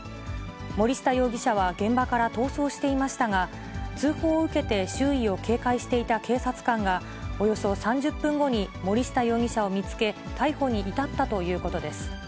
森下容疑者は現場から逃走していましたが、通報を受けて周囲を警戒していた警察官が、およそ３０分後に森下容疑者を見つけ、逮捕に至ったということです。